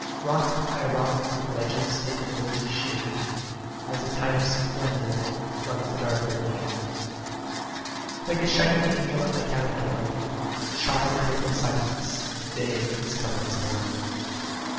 Rock by rock the ledges Take the rosy sheen, As the tide of splendor Floods the dark ravine. Like a shining angel At my cabin door, Shod with hope and silence, Day is come once more.